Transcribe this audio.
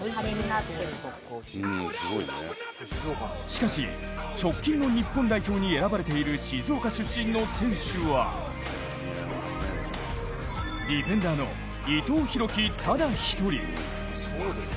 しかし、直近の日本代表に選ばれている静岡出身の選手はディフェンダーの伊藤洋輝ただ一人。